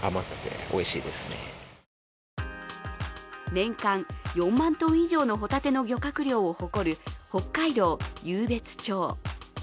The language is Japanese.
年間４万トン以上のホタテの漁獲量を誇る北海道湧別町。